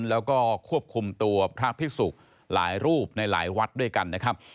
แล้วก็ควบคุมตัวพระพิสุกหลายรูปในหลายวัดด้วยกันนะครับ